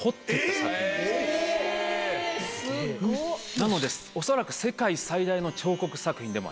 なので恐らく世界最大の彫刻作品でもあります。